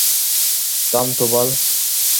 থাম তো বাল!